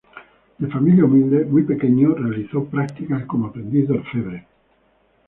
De familia humilde, muy pequeño realizó prácticas como aprendiz de orfebre.